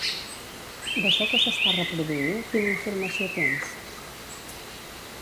D'això que s'està reproduint quina informació tens?